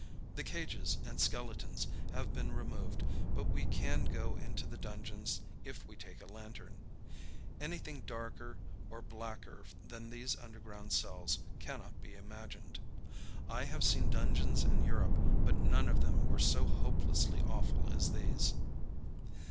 The cages and skeletons have been removed, but we can go into the dungeons if we take a lantern. Anything darker or blacker than these underground cells cannot be imagined. I have seen dungeons in Europe, but none of them were so hopelessly awful as these.